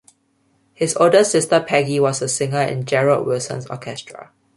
His older sister Peggy was a singer in Gerald Wilson's orchestra.